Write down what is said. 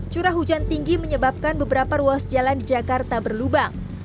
curah hujan tinggi menyebabkan beberapa ruas jalan di jakarta berlubang